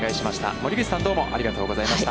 森口さん、どうもありがとうございました。